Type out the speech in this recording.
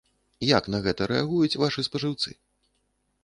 Як на гэта рэагуюць вашы спажыўцы?